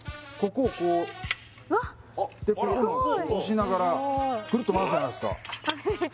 ここの押しながらくるっと回すじゃないすかえっ！？